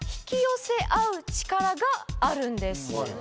があるんです。